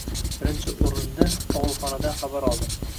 Birinchi o‘rinda og‘ilxonadan xabar oldim